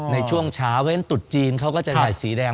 ในช่วงเช้าเพราะฉะนั้นตุ๊ดจีนเขาก็จะใส่สีแดง